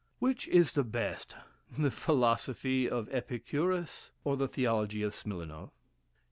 Which is the best, the philosophy of Epicurus, or the theology of Smilenof?